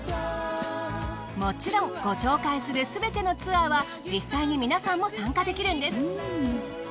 もちろんご紹介するすべてのツアーは実際に皆さんも参加できるんです。